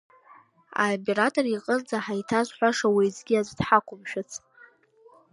Аимператор иҟынӡа ҳаиҭазҳәашаз уеизгьы аӡә дҳақәымшәац.